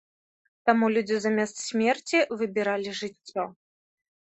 Таму людзі замест смерці выбіралі жыццё.